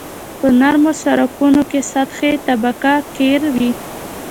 په نرمو سرکونو کې سطحي طبقه قیر وي